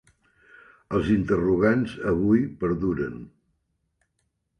Els interrogants, avui, perduren.